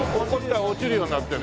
落ちるようになってる。